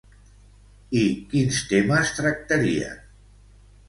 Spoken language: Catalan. I quins temes tractarien?